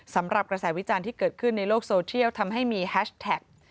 สำหรับกระแสวิจารณ์ที่เกิดขึ้นในโลกโซเทียลทำให้มีแฮชแท็ก